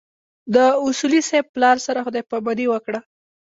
د اصولي صیب پلار سره خدای ج پاماني وکړه.